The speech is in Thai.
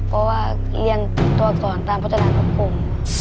เพราะว่าเรียนตัวก่อนตามผจนานุกรม